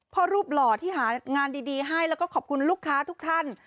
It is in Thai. รูปหล่อที่หางานดีให้แล้วก็ขอบคุณลูกค้าทุกท่าน